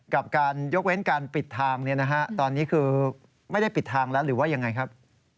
กับการยกเว้นการปิดทางตอนนี้คือไม่ได้ปิดทางแล้วหรือว่ายังไงครับ